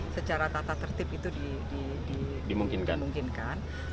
secara tata tertib itu dimungkinkan